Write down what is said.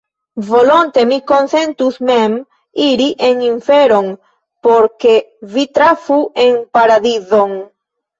Volonte mi konsentus mem iri en inferon, por ke vi trafu en paradizon!